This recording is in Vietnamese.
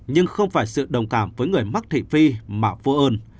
nhưng không phải sự đồng cảm với người mắc thị phi mà vô ơn